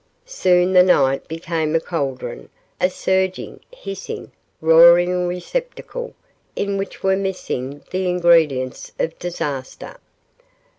Soon the night became a cauldron, a surging, hissing, roaring receptacle in which were mixing the ingredients of disaster.